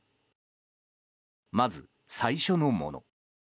まず、最初のもの。